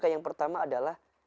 maka yang pertama adalah